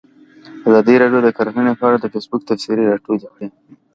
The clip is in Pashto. ازادي راډیو د کرهنه په اړه د فیسبوک تبصرې راټولې کړي.